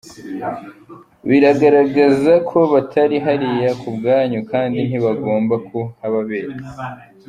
Bigaragaza ko batari hariya ku bwanyu kandi ntibagomba kuhababera.